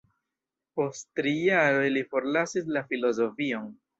Post tri jaroj li forlasis la filozofion.